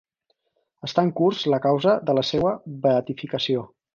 Està en curs la causa de la seua beatificació.